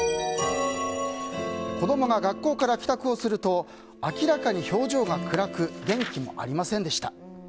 子供が学校から帰宅をすると明らかに表情が暗く元気もありませんでした。